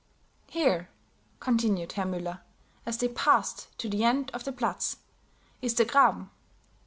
"Here," continued Herr Müller, as they passed to the end of the Platz, "is the Graben.